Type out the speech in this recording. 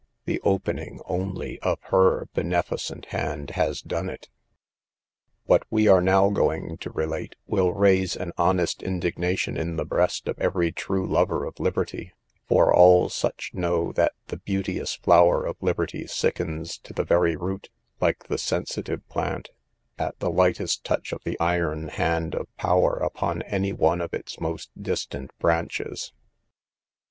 —the opening only of her beneficent hand has done it. What we are now going to relate will raise an honest indignation in the breast of every true lover of liberty; for all such know that the beauteous flower of liberty sickens to the very root (like the sensitive plant) at the lightest touch of the iron hand of power upon any one of its most distant branches.